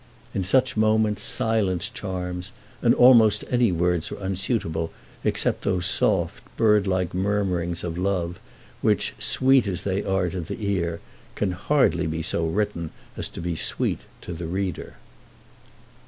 In such moments silence charms, and almost any words are unsuitable except those soft, bird like murmurings of love which, sweet as they are to the ear, can hardly be so written as to be sweet to the reader.